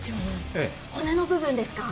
ええ骨の部分ですか？